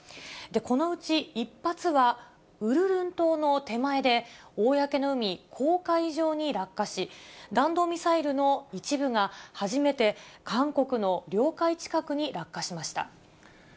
このうち１発は、ウルルン島の手前で、公の海、公海上に落下し、弾道ミサイルの一部が初めて韓国の領海近くに落下しました。